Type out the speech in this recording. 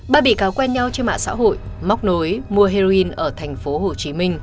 ba bị cáo quen nhau trên mạng xã hội móc nối mua heroin ở tp hcm